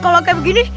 bapak mau prison